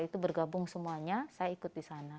itu bergabung semuanya saya ikut di sana